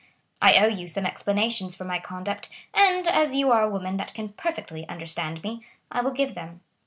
I owe you some explanations for my conduct, and as you are a woman that can perfectly understand me, I will give them.